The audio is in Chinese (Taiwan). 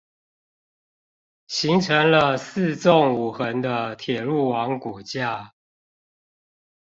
形成了四縱五橫的鐵路網骨架